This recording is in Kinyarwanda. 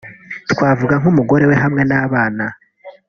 twavuga nk'umugore we hamwe n'abana